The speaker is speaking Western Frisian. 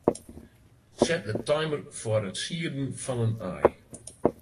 Set de timer foar it sieden fan in aai.